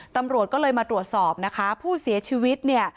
ตำรวจก็เลยมาตรวจสอบนะคะผู้เสียชีวิตเนี่ย